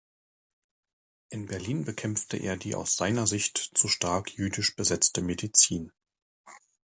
In Berlin bekämpfte er die aus seiner Sicht zu stark jüdisch besetzte Medizin.